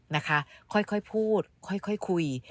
นะคะค่อยพูดค่อยคุย